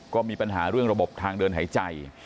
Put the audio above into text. ก็มีปัญหาเรื่องระบบทางเดินหายใจ